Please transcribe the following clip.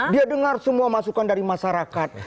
dia dengar semua masukan dari masyarakat